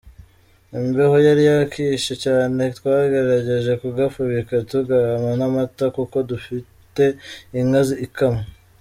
Imbeho yari yakishe cyane, twagerageje kugafubika tugaha n’amata, kuko dufite inka ikamwa.